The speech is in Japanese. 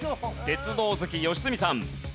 鉄道好き良純さん。